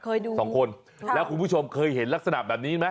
ดูสองคนแล้วคุณผู้ชมเคยเห็นลักษณะแบบนี้ไหม